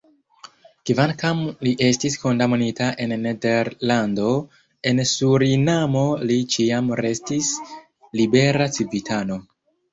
Kvankam li estis kondamnita en Nederlando, en Surinamo li ĉiam restis libera civitano.